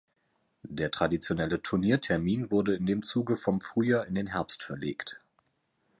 Der traditionelle Turnier-Termin wurde in dem Zuge vom Frühjahr in den Herbst verlegt.